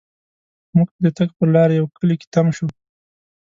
مونږ د تګ پر لار یوه کلي کې تم شوو.